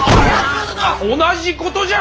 同じことじゃ！